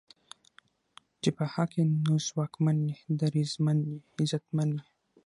چې په حق ئې نو ځواکمن یې، دریځمن یې، عزتمن یې